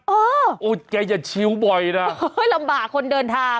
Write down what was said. เออโอ้ยแกจะชิวบ่อยนะโอ้ยลำบากคนเดินทาง